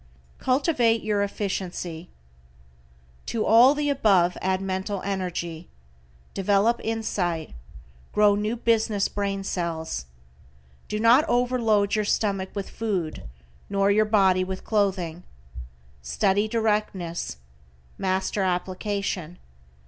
=CULTIVATE YOUR EFFICIENCY=: To all the above add mental energy. Develop insight, grow new business brain cells. Do not overload your stomach with food, nor your body with clothing. Study directness. Master application.